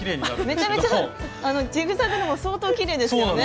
めちゃめちゃジグザグでも相当きれいですよね。